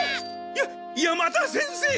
やっ山田先生！？